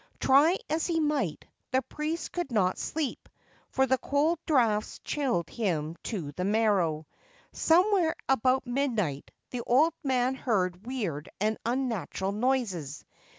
Try as he might, the priest could not sleep, for the cold draughts chilled him to the marrow. Some where about midnight the old man heard weird and unnatural noises.